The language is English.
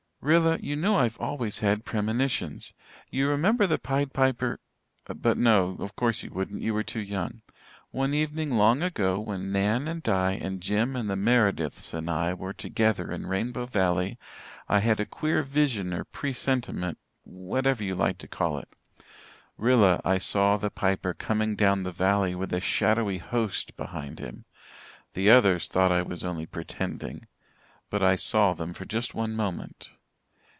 "Rilla, you know I've always had premonitions. You remember the Pied Piper but no, of course you wouldn't you were too young. One evening long ago when Nan and Di and Jem and the Merediths and I were together in Rainbow Valley I had a queer vision or presentiment whatever you like to call it. Rilla, I saw the Piper coming down the Valley with a shadowy host behind him. The others thought I was only pretending but I saw him for just one moment.